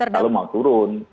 kalau mau turun